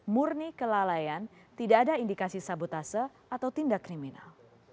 murni kelalaian tidak ada indikasi sabotase atau tindak kriminal